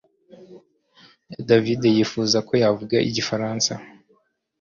David yifuza ko yavuga igifaransa